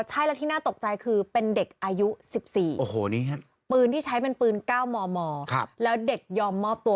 ใช่แล้วที่น่าตกใจคือเป็นเด็กอายุ๑๔ปืนที่ใช้เป็นปืน๙มมแล้วเด็กยอมมอบตัว